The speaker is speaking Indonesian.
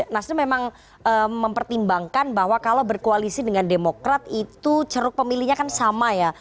nasdem memang mempertimbangkan bahwa kalau berkoalisi dengan demokrat itu ceruk pemilihnya kan sama ya